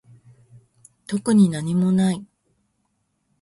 特になにもない